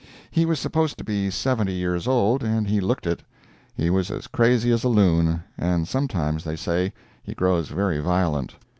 He was supposed to be seventy years old, and he looked it. He was as crazy as a loon, and sometimes, they say, he grows very violent.